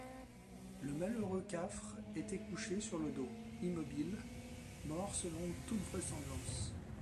Le malheureux Cafre était couché sur le dos, immobile, mort selon toute apparence.